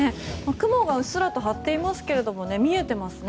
雲がうっすらと張っていますが見えてますね。